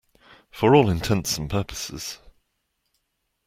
For all intents and purposes.